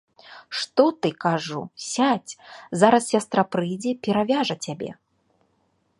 Што ты, кажу, сядзь, зараз сястра прыйдзе, перавяжа цябе.